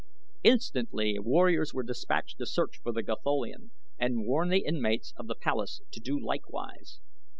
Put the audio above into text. Instantly warriors were dispatched to search for the Gatholian and warn the inmates of the palace to do likewise.